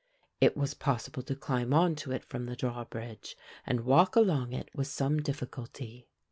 It was possible to climb on to it from the drawbridge and walk along it with some difficulty.